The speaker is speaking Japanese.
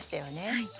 はい。